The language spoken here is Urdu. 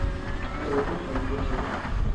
اوروہیں پھنسے ہیں۔